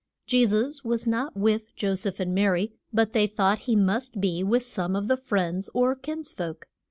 Je sus was not with Jo seph and Ma ry, but they thought he must be with some of the friends or kins folk.